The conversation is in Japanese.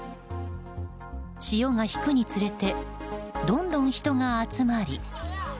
潮が引くにつれてどんどん人が集まり。